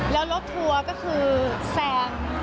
แล้วรถทัวร์ก็คือแซง